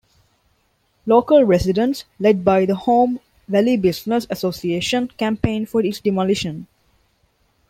Local residents, led by the Holme Valley Business Association, campaigned for its demolition.